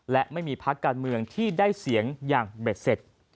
และไม่มีพักการเมืองที่ได้เสียงอย่างเบ็ดเสร็จ